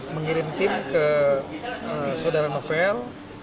mengirim tim ke saudara novel